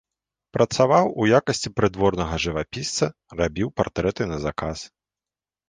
Працаваў у якасці прыдворнага жывапісца, рабіў партрэты на заказ.